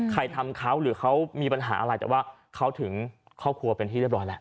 ทำเขาหรือเขามีปัญหาอะไรแต่ว่าเขาถึงครอบครัวเป็นที่เรียบร้อยแล้ว